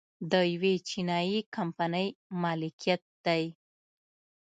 د یوې چینايي کمپنۍ ملکیت دی